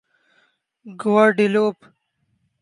Guadeloupe